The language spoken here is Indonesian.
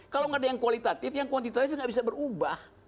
kalau nggak ada yang kualitatif yang kuantitatif nggak bisa berubah